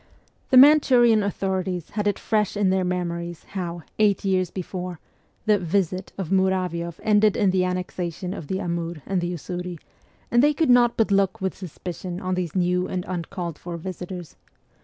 The Manchurian authorities had B 2 244 MEMOIRS OF A REVOLUTIONIST it fresh in their memories how, eight years before, the ' visit ' of Muravioff ended in the annexation of the Amur and the Usuri, and they could not but look with suspicion on these new and uncalled for visitors.